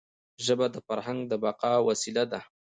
ژبه د فرهنګ د بقا وسیله ده.